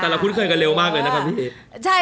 แต่เราคุ้นเคยกันเร็วมากเลยนะครับพี่